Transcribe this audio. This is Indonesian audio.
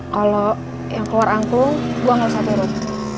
kalo yang keluar angkung gua gak usah turun